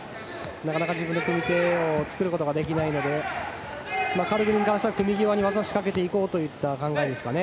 なかなか自分の組み手を作ることができないのでカルグニンが右側に技を仕掛けていこうという考えですかね。